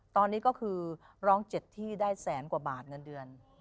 ตอนนี้ก็คือร้อง๗ที่ได้แสนกว่าบาทเงินเดือน